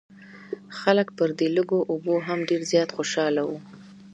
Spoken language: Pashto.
خلک پر دې لږو اوبو هم ډېر زیات خوشاله وو.